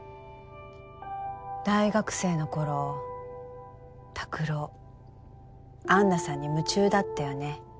大学生の頃拓郎安奈さんに夢中だったよね。